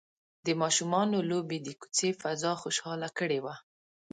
د ماشومانو لوبې د کوڅې فضا خوشحاله کړې وه.